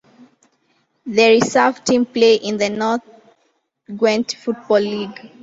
The reserve team play in the North Gwent Football League.